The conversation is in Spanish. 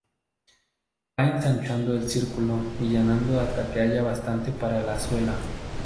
Va ensanchando el círculo y llenando hasta que haya bastante para la suela.